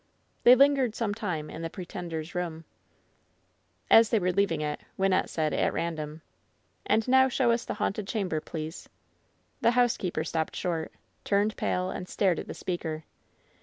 They lingered some time in "the pretender's room.'^ 192 LOVE'S BITTEREST CUP As they were leaving it, Wjnnette said, at random : ''And now show us the haunted chamber, please." The housekeeper stopped short, turned pale and stared at the speaker.